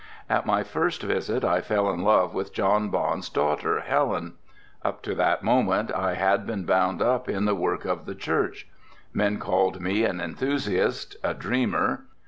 At my first visit I fell in love with John Bond's daughter Helen. Up to that moment I had been bound up in the work of the church. Men called me an enthusiast, a dreamer.